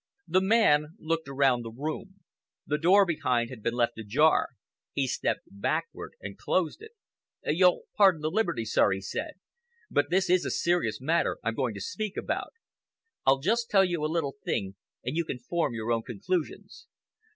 The man looked around the room. The door behind had been left ajar. He stepped backward and closed it. "You'll pardon the liberty, sir," he said, "but this is a serious matter I'm going to speak about. I'll just tell you a little thing and you can form your own conclusions.